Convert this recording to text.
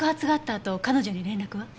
あと彼女に連絡は？